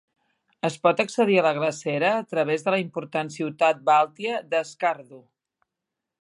Es pot accedir a la glacera a través de la important ciutat bàltia d'Skardu.